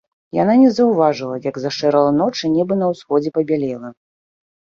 Яна не заўважала, як зашарэла ноч і неба на ўсходзе пабялела.